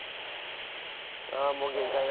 あぁもう限界だ